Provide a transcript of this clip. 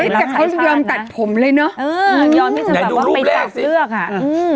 เมื่อกันเขายังตัดผมเลยน่ะเออนายดูรูปแรกสิอืม